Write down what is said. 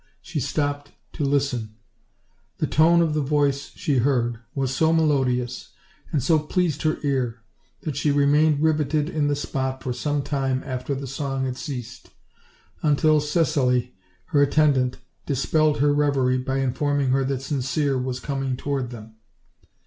She stopped to listen. The tone of the voice she heard was so melodious, and so pleased her ear, that she remained riveted to the spot for some time after the song had ceased; until Cicely, her attendant, dispelled her reverie by informing her that Sincere was coming to ward them.